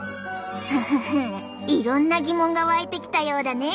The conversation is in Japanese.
フフフいろんな疑問が湧いてきたようだね。